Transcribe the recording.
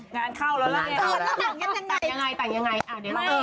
งานเข้าแล้วทีนี้ตัยยังไงตัยยังไง